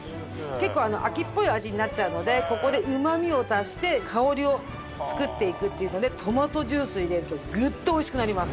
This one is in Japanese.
結構飽きっぽい味になっちゃうのでここでうまみを足して香りを作っていくというのでトマトジュースを入れるとグッと美味しくなります。